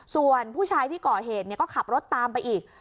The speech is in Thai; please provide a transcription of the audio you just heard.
ส่วนผู้ชายที่ก่อเหตุก็ขับรถตามไปอีก